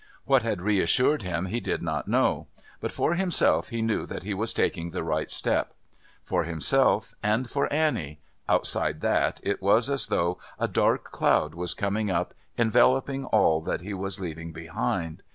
What had reassured him he did not know, but for himself he knew that he was taking the right step. For himself and for Annie outside that, it was as though a dark cloud was coming up enveloping all that he was leaving behind.